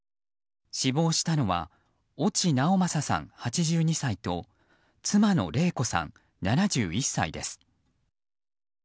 死亡したのは越智直正さん、８２歳と妻の麗子さん、７１歳です。